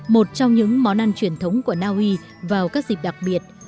một trong những món ăn truyền thống của na uy vào các dịp đặc biệt